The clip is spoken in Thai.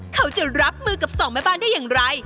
เขาจะรับมือกับสองแม่บ้านได้อย่างไร